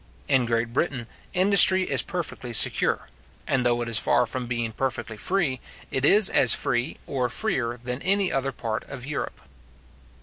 In Great Britain industry is perfectly secure; and though it is far from being perfectly free, it is as free or freer than in any other part of Europe.